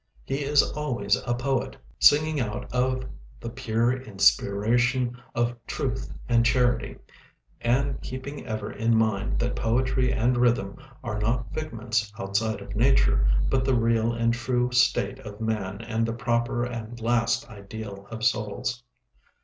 He is always a poet, singing out of "the pure inspiration of truth and charity," and keeping ever in mind that poetry and rhythm are not figments outside of nature, but the real and true state of man and the proper and last ideal of souls.